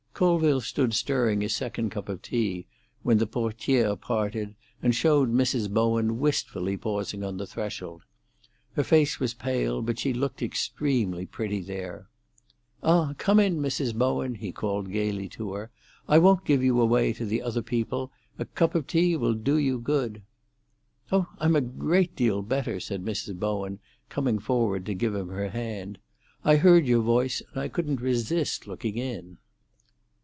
Colville stood stirring his second cup of tea, when the portière parted, and showed Mrs. Bowen wistfully pausing on the threshold. Her face was pale, but she looked extremely pretty there. "Ah, come in, Mrs. Bowen!" he called gaily to her. "I won't give you away to the other people. A cup of tea will do you good." "Oh, I'm a great deal better," said Mrs. Bowen, coming forward to give him her hand. "I heard your voice, and I couldn't resist looking in."